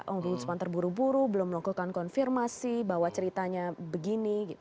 ombudsman terburu buru belum melakukan konfirmasi bahwa ceritanya begini